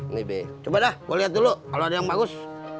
nih be coba dah gua liat dulu kalau ada yang bagus